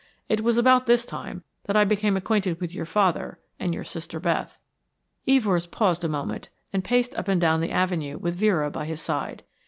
It was about this time that I became acquainted with your father and your sister Beth." Evors paused a moment and paced up and down the avenue with Vera by his side.